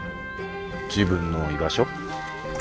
自分の居場所。